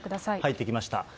入ってきました。